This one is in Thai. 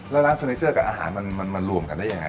แล้วร้านเฟอร์เนเจอร์กับอาหารมันมารวมกันได้ยังไง